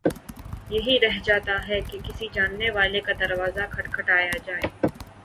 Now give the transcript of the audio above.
یہی رہ جاتا ہے کہ کسی جاننے والے کا دروازہ کھٹکھٹایا جائے۔